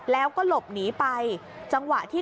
แล้วก็หลบหนีไปจังหวะที่